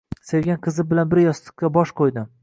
Sevgan qizi bilan bir yostiqqa bosh qo`ydi